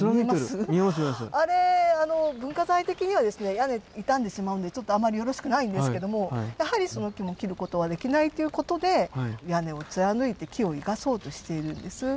屋根傷んでしまうんでちょっとあんまりよろしくないんですけどもやはりその木も切ることはできないということで屋根を貫いて木を生かそうとしているんです。